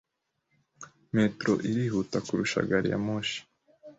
Metro irihuta kuruta gari ya moshi.